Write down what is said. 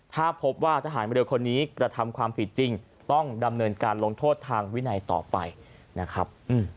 ถ้าพบว่าทหารเรือคนนี้กระทำความผิดจริงต้องดำเนินการลงโทษทางวินัยต่อไปนะครับ